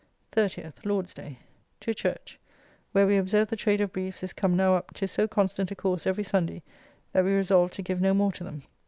30th (Lord's day). To church, where we observe the trade of briefs is come now up to so constant a course every Sunday, that we resolve to give no more to them.